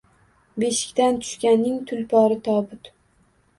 Beshikdan tushganning tulpori – tobut